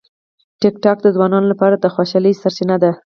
ټیکټاک د ځوانانو لپاره د خوشالۍ سرچینه ده.